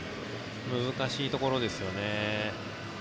難しいところですね。